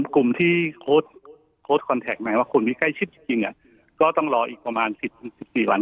กลุ่มที่โค้ดคอนแทคก็ใกล้ชิดจริงก็ต้องรอก็อีกกว่ามา๑๔วัน